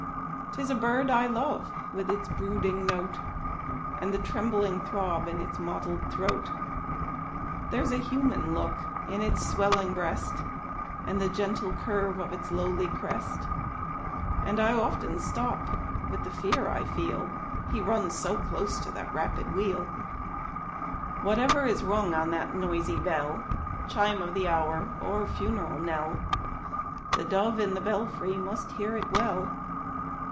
'Tis a bird I love, with its brooding note, And the trembling throb in its mottled throat ; There's a human look in its swellinor breast, And the gentle curve of its lowly crest ; And I often stop with the fear I feel — He runs so close to the rapid wheel. Whatever is rung on that noisy bell — Chime of the hour or funeral knell — The dove in the belfry must hear it well.